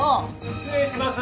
失礼します。